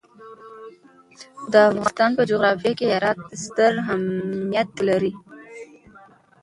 د افغانستان جغرافیه کې هرات ستر اهمیت لري.